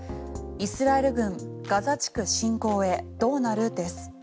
イスラエル軍ガザ地区侵攻へどうなる、です。